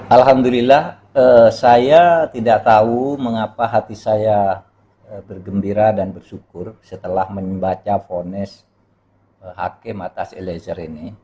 alhamdulillah saya tidak tahu mengapa hati saya bergembira dan bersyukur setelah membaca vonis hakim atas eliezer ini